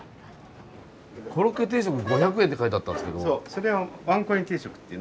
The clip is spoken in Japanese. それはワンコイン定食っていう。